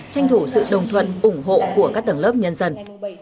tranh thủ sự đồng thuận ủng hộ của các tầng lớp nhân dân